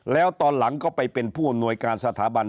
แล้วตอนหลังก็ไปเป็นผู้อำนวยการสถาบัน